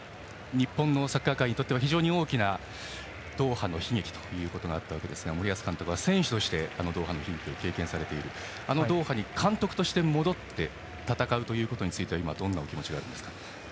日本のサッカー界にとっては非常に大きなドーハの悲劇があったかと思いますが森保監督は選手としてドーハの悲劇を経験されたわけですがあのドーハに監督として戻って戦うということについては今、どんなお気持ちがあるんですか？